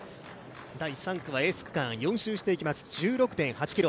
第３区はエース区間、４周していきます、１６．８ｋｍ。